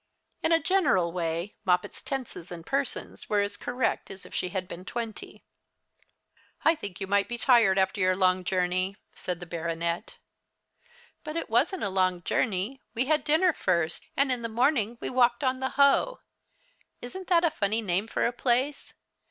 In a general way Moppet's tenses and persons were as correct as if she had been twenty. "I think you ought to be tired, after your long journey," said the baronet. "But it wasn't a long journey. We had dinner first, and in the morning we walked on the Hoe. Isn't that a funny name for a place?